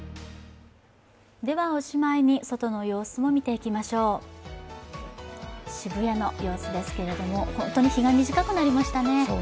ではおしまいに外の様子を見ていきましょう渋谷の様子ですけども、本当に日が短くなりましたね。